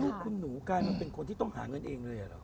คือคุณหนูกลายมาเป็นคนที่ต้องหาเงินเองเลยเหรอ